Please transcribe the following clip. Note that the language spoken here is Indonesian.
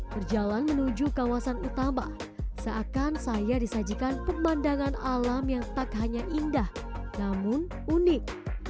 berjalan menuju kawasan utama seakan saya disajikan pemandangan alam yang tak hanya indah namun unik